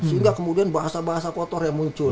sehingga kemudian bahasa bahasa kotor yang muncul